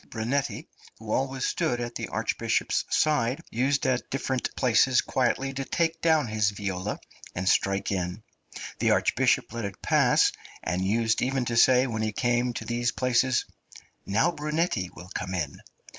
Brunetti, who always stood at the Archbishop's side, used at difficult places quietly to take down his viola and strike in; the Archbishop let it pass, and used even to say when he came to these places, "now Brunetti will come in."